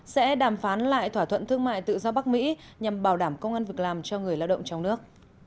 sẽ đàm phán lại thỏa thuận thương mại tự do bắc mỹ nhằm bảo đảm công an việc làm cho người lao động trong nước